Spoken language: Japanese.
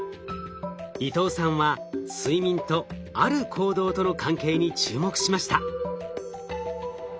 伊藤さんは睡眠とある行動との関係に注目しました。